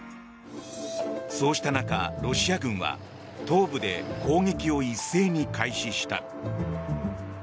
そうした中、ロシア軍は東部で攻撃を一斉に開始した。